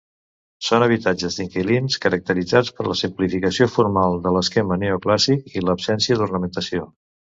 Són habitatges d'inquilins caracteritzats per la simplificació formal de l'esquema neoclàssic i l'absència d'ornamentació.